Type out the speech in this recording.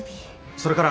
それから。